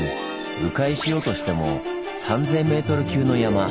迂回しようとしても３，０００ｍ級の山。